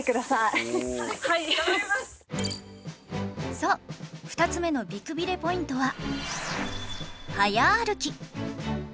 そう２つ目の美くびれポイントは早歩き！